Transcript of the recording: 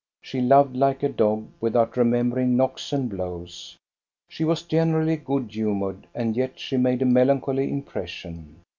She loved like a dog, without remembering knocks and blows. She was generally good humored, and yet she made a melancholy impression.